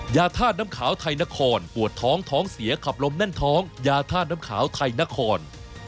ยาธาตุน้ำขาวไทยนครปวดท้องท้องเสียขับลมแน่นท้องยาธาตุน้ำขาวไทยนคร